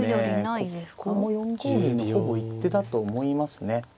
ここも４五銀のほぼ一手だと思いますね。